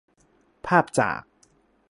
ภาพจาก